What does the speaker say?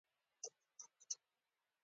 هغه مې هم نبض او فشار وکتل.